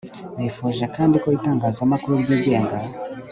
bifuje kandi ko itangazamakuru ryigenga